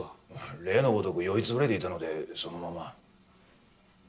例のごとく酔い潰れていたのでそのまま。